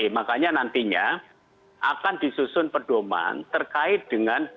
makanya nantinya akan disusun perdoman terkait dengan